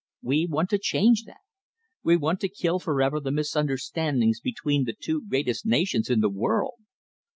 We want to change that. We want to kill for ever the misunderstandings between the two greatest nations in the world.